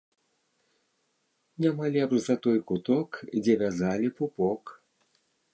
Няма лепш за той куток, дзе вязалі пупок